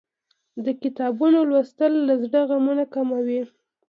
د کتابونو لوستل له زړه غمونه کموي.